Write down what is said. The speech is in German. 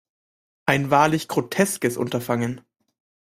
Ein wahrlich groteskes Unterfangen.